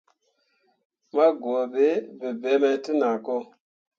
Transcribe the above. Ma guuɓe bebemme te nah.